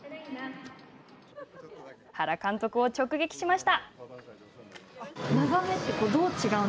原監督を直撃しました。